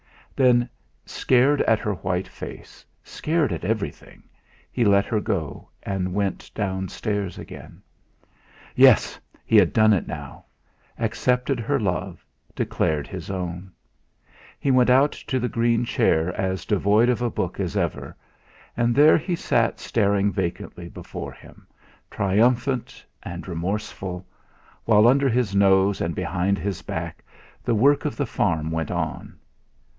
Then, scared at her white face, scared at everything, he let her go, and went downstairs again. Yes! He had done it now! Accepted her love, declared his own! He went out to the green chair as devoid of a book as ever; and there he sat staring vacantly before him, triumphant and remorseful, while under his nose and behind his back the work of the farm went on.